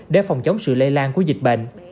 để phòng chống sự lây lan của dịch bệnh